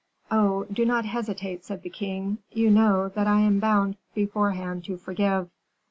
"Oh! do not hesitate," said the king; "you know that I am bound beforehand to forgive."